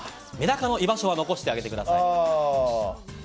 メダカの居場所は残してあげてください。